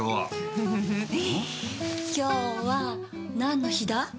フフフ今日は何の日だ？